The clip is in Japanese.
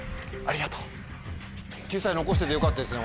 救済残しててよかったですね。